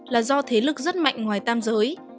là do thế lực rất mạnh ngoài tam giới